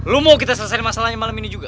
lo mau kita selesain masalahnya malem ini juga